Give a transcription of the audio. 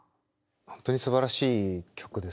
本当にすばらしい曲ですよね。